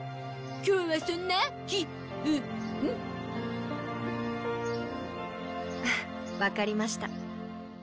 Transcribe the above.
今日はそんなき・ぶ・ん！わかりました。